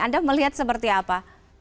anda melihat seperti apa